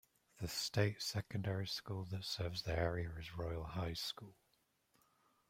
The state secondary school that serves the area is the Royal High School.